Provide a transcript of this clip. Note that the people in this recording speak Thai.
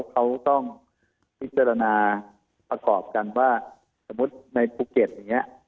เขาต้องพิจารณาประกอบกันว่าสมมุติในภูเก็ตอย่างนี้